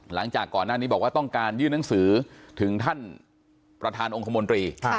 หลังจากก่อนหน้านี้บอกว่าต้องการยื่นหนังสือถึงท่านประธานองค์คมนตรี